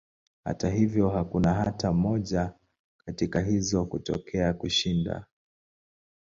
Hata hivyo, hakuna hata moja katika hizo kutokea kushinda.